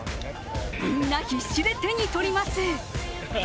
みんな必死で手に取ります。